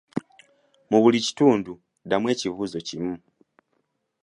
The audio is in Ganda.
Mu buli kitundu ddamu ekibuuzo kimu